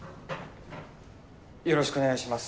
よろしくお願いします。